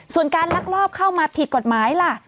ส่วนการลักลอบเข้ามาผิดกฎหมายล่ะ